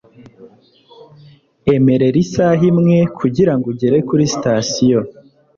Emerera isaha imwe kugirango ugere kuri sitasiyo.